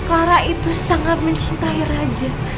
clara itu sangat mencintai raja